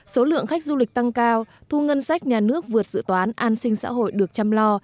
số lượng khách du lịch tăng cao thu ngân sách nhà nước vượt dự toán an sinh xã hội được chăm lo